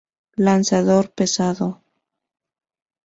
Lanzador pesado.